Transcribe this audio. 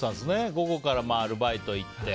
午後からアルバイト行って。